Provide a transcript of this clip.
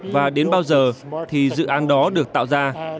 và đến bao giờ thì dự án đó được tạo ra